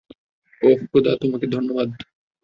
ওহ খোদা, তোমাকে ধন্যবাদ।